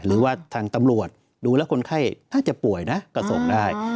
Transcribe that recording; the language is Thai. หรือว่าทางตำรวจดูแล้วคนไข้น่าจะป่วยนะก็ส่งได้